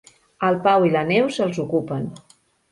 El Pau i la Neus els ocupen.